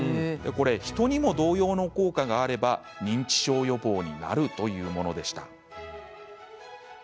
人にも同様の効果があれば認知症予防になるというものでした。